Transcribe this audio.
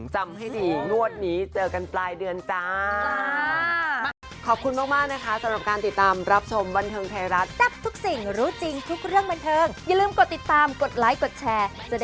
จำให้ดีงวดนี้เจอกันปลายเดือนจ้า